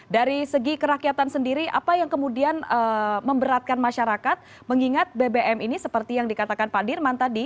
dari segi kerakyatan sendiri apa yang kemudian memberatkan masyarakat mengingat bbm ini seperti yang dikatakan pak dirman tadi